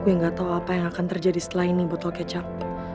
gue gak tau apa yang akan terjadi setelah ini botol kecap